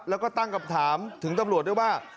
แล้วก็ตั้งคำถามถึงตำรวจด้วยว่า